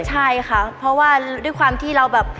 ใช่ค่ะเพราะว่าด้วยความที่เราแบบ